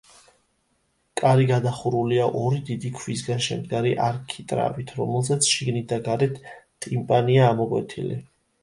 კარი გადახურულია ორი დიდი ქვისგან შემდგარი არქიტრავით, რომელზეც, შიგნით და გარეთ, ტიმპანია ამოკვეთილი.